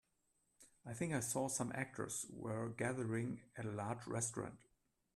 I think I saw some actors were gathering at a large restaurant.